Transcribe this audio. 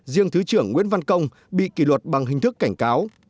riêng thứ trưởng nguyễn văn công bị kỷ luật bằng hình thức cảnh cáo